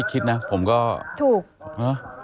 กินขออาหาร